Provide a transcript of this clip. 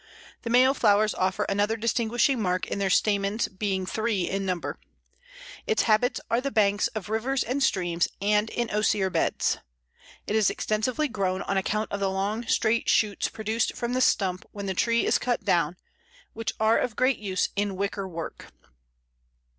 The male flowers offer another distinguishing mark in their stamens being three in number. Its habitats are the banks of rivers and streams, and in Osier beds. It is extensively grown on account of the long, straight shoots produced from the stump when the tree is cut down, which are of great use in wicker work.